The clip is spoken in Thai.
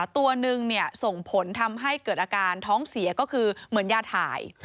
ตัวหนึ่งส่งผลทำให้เกิดอาการท้องเสียก็คือเหมือนยาถ่าย